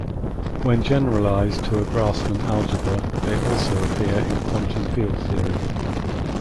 When generalized to a Grassmann algebra, they also appear in quantum field theory.